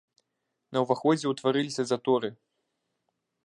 На ўваходзе ўтварыліся заторы.